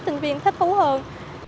sinh viên thích thú hơn